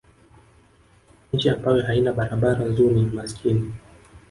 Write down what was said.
nchi ambayo haina barabara nzuri ni masikini